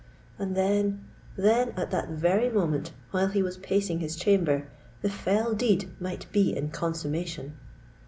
And then,—then, at that very moment while he was pacing his chamber, the fell deed might be in consummation!